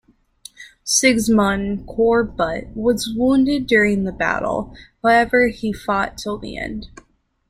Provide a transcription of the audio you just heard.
Sigismund Korybut was wounded during the battle, however he fought till the end.